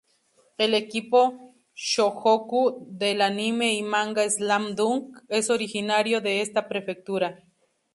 El equipo Shohoku del anime y manga "Slam Dunk" es originario de esta prefectura.